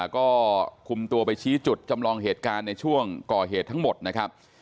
ก็คุมตัวไปชี้จุดจำลองเหตุการณ์ในช่วงก่อเหตุทั้งหมดนะครับ